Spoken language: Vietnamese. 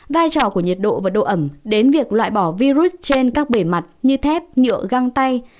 vai trò của nhiệt độ và độ ẩm đến việc loại bỏ virus trên các bề mặt như thép nhựa găng tay